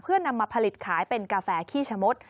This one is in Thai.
เพื่อนำมาผลิตขายเป็นกาแฟขี้ชะมด